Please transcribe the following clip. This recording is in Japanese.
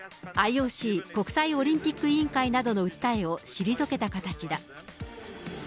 ＩＯＣ・国際オリンピック委員会などの訴えを退けた形だ。